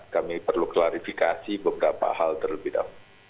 kami perlu klarifikasi beberapa hal terlebih dahulu